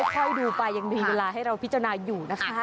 ค่อยดูไปยังมีเวลาให้เราพิจารณาอยู่นะคะ